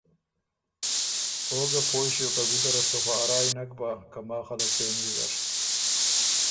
او ګۀ پویٛ ݭیوک که ګُده ره سو خه ا رایٛ نک بۀ که ماخه له څېن ویزر